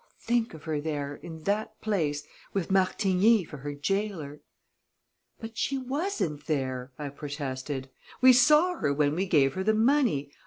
Think of her there, in that place, with Martigny for her jailer!" "But she wasn't there!" I protested. "We saw her when we gave her the money.